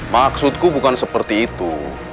maksudku bukan seperti itu